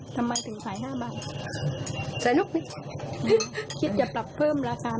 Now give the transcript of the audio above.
ทำไมไม่เพิ่ม